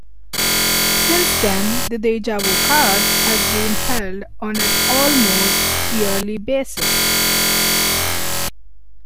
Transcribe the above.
Since then the Deja Vu card has been held on an almost yearly basis.